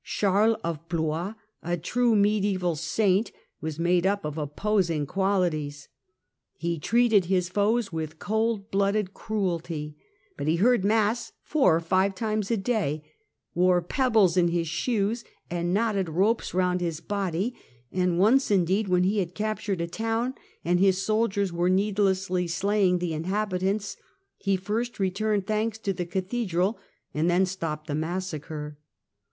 Charles of Blois, a true mediaeval saint, was made up of opposing qualities. He treated his foes with cold blooded cruelty, but he heard Mass four or five times a day, wore pebbles in his shoes and knotted ropes round his body, and once indeed when he had cap tured a town and his soldiers were needlessly slaying the inhabitants, he first returned thanks in the Cathedral and then stopped the massacre.